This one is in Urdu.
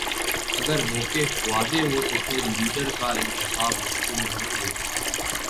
اگر موقف واضح ہو تو پھر لیڈر کا انتخاب مشکل نہیں ہو گا۔